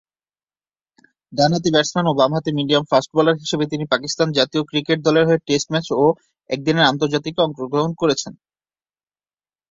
ডানহাতি ব্যাটসম্যান ও বামহাতি মিডিয়াম-ফাস্ট বোলার হিসেবে তিনি পাকিস্তান জাতীয় ক্রিকেট দলের হয়ে টেস্ট ম্যাচ ও একদিনের আন্তর্জাতিকে অংশগ্রহণ করেছেন।